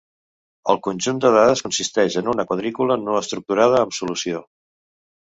El conjunt de dades consisteix en una quadrícula no estructurada amb solució.